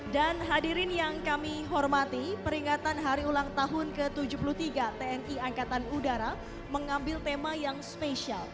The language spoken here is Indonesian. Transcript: hadirin yang kami hormati peringatan hari ulang tahun ke tujuh puluh tiga tni angkatan udara mengambil tema yang spesial